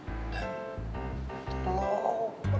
jadi kamu boleh pupuk